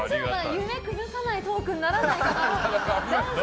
夢崩さないトークにならないかな。